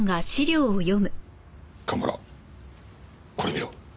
蒲原これ見ろ。